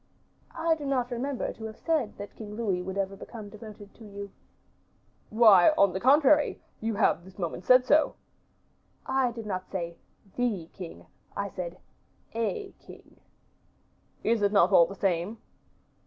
"I do not remember to have said that King Louis would ever become devoted to you." "Why, on the contrary, you have this moment said so." "I did not say the king; I said a king." "Is it not all the same?"